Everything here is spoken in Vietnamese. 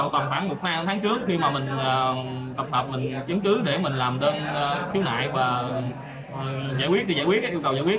tầm khoảng một tháng trước khi mà mình tập tập mình chứng cứ để mình làm tên phiếu nại và giải quyết